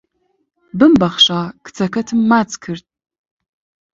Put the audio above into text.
ببمبەخشە کچەکەتم ماچ کرد